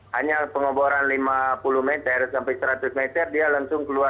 hanya pengeboran lima puluh meter sampai seratus meter dia langsung keluar